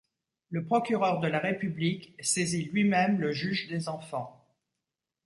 Le Procureur de la République saisit lui-même le Juge des Enfants.